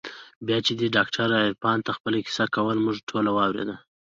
بيا چې دې ډاکتر عرفان ته خپله کيسه کوله موږ ټوله واورېده.